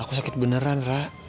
aku sakit beneran ra